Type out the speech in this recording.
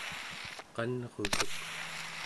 qanrutuk